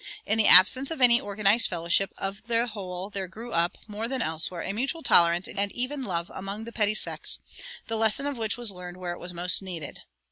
In the absence of any organized fellowship of the whole there grew up, more than elsewhere, a mutual tolerance and even love among the petty sects, the lesson of which was learned where it was most needed.